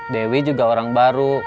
dewi juga orang baru